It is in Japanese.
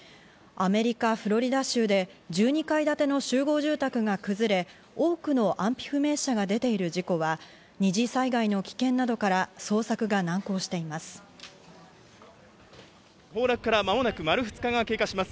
アメリカ・フロリダ州で１２階建ての集合住宅が崩れ、多くの安否不明者が出ている事故は二次災害の危険などから捜索が難航しています。